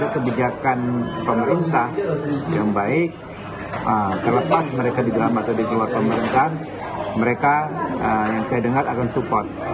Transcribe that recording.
kebijakan pemerintah yang baik terlepas mereka di dalam atau di luar pemerintahan mereka yang saya dengar akan support